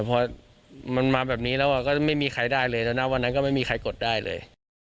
พอมันมาแบบนี้แล้วก็ไม่มีใครได้เลยนะวันนั้นก็ไม่มีใครกดได้เลย